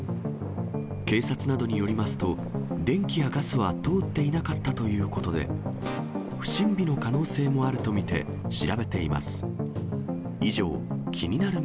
警察などによりますと、電気やガスは通っていなかったということで、不審火の可能性もあると見て調べています。